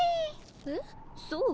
えっそう？